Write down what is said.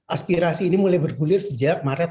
aspirasi ini mulai bergulir sejak maret dua ribu dua puluh satu